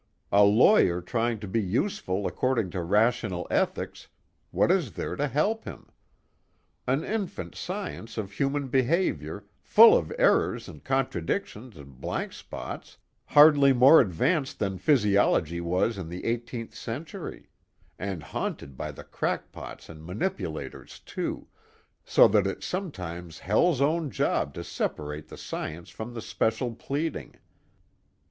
A lawyer trying to be useful according to rational ethics what is there to help him? An infant science of human behavior, full of errors and contradictions and blank spots, hardly more advanced than physiology was in the eighteenth century; and haunted by the crackpots and manipulators too, so that it's sometimes hell's own job to separate the science from the special pleading.